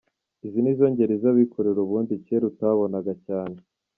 Izi nizo ngeri z’abikorera ubundi kera utabonaga cyane.